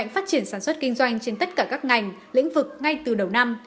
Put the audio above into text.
phát triển sản xuất kinh doanh trên tất cả các ngành lĩnh vực ngay từ đầu năm